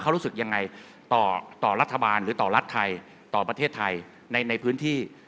เขารู้สึกยังไงต่อต่อรัฐบาลหรือต่อรัฐไทยต่อประเทศไทยในพื้นที่